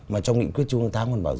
mà trong nghị quyết chúng ta còn bảo